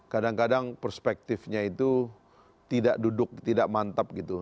kadang kadang perspektifnya itu tidak duduk tidak mantap gitu